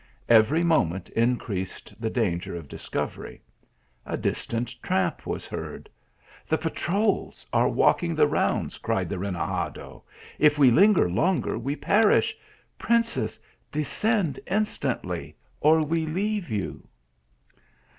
Every moment increased the danger of discovery. A distant tramp was heard. " The patrols are walk ing the rounds." cried the renegado; "if we linger longer we perish princess, descend instantly, or we leave you."